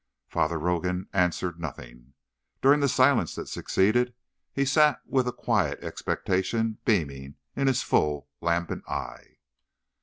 Father Rogan answered nothing. During the silence that succeeded, he sat with a quiet expectation beaming in his full, lambent eye.